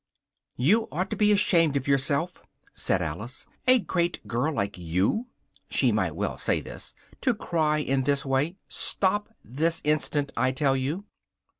"You ought to be ashamed of yourself," said Alice, "a great girl like you," (she might well say this,) "to cry in this way! Stop this instant, I tell you!"